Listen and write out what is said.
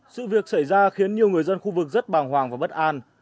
sự việc xảy ra khiến nhiều người dân khu vực rất bàng hoàng và bất an